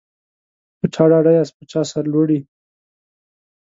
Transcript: په چا ډاډه یاست په چا سرلوړي